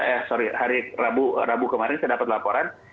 eh sorry hari rabu kemarin saya dapat laporan